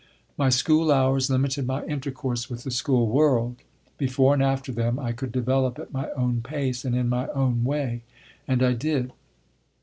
My school hours limited my intercourse with the school world. Before and after them I could develop at my own pace and in my own way and I did.